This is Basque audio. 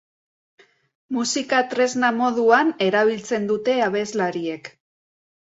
Musika tresna moduan erabiltzen dute abeslariek.